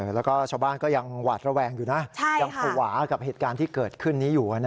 แล้วก็ชาวบ้านก็ยังหวาดระแวงอยู่นะยังภาวะกับเหตุการณ์ที่เกิดขึ้นนี้อยู่